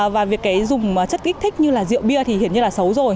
và việc dùng chất gây nghiện như rượu bia thì hiển như là xấu rồi